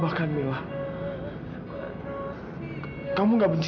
rasa sayang kamu ke aku gak akan berhenti